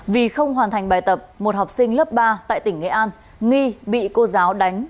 vì không hoàn thành bài tập một học sinh lớp ba tại tỉnh nghệ an nghi bị cô giáo đánh